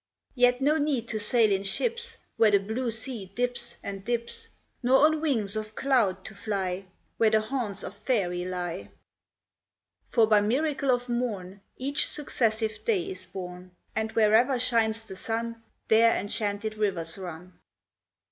Yet no need to sail in ships Where the blue sea dips and dips, Nor on wings of cloud to fly Where the haunts of faery lie. For by miracle of morn Each successive day is born ; 454 WONDERLAND And wherever shines the sun, There enchanted rivers run